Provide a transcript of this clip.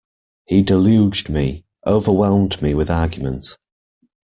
He deluged me, overwhelmed me with argument.